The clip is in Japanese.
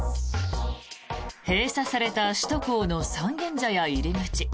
閉鎖された首都高の三軒茶屋入り口。